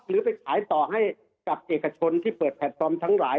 หรือไปขายต่อให้กับเอกชนที่เปิดแพลตฟอร์มทั้งหลาย